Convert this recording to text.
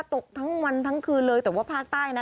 ตกทั้งวันทั้งคืนเลยแต่ว่าภาคใต้นะ